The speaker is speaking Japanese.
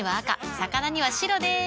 魚には白でーす。